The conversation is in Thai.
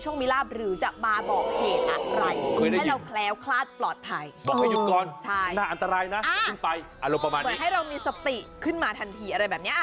เหมือนให้เรามีสติขึ้นมาทันทีอะไรแบบนี้